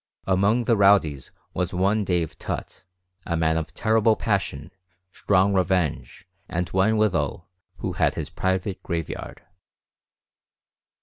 Among the rowdies was one Dave Tutt, a man of terrible passion, strong revenge, and one withal who had his private graveyard.